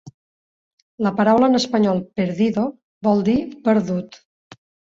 La paraula en espanyol "perdido" vol dir "perdut".